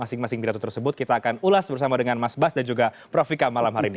masing masing pidato tersebut kita akan ulas bersama dengan mas bas dan juga prof vika malam hari ini